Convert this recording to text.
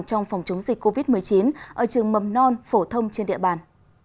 trong phòng chống dịch covid một mươi chín ở trường mầm non phổ thông trên địa bàn